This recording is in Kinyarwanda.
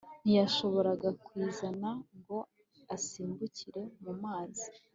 ntiyashoboraga kwizana ngo asimbukire mu mazi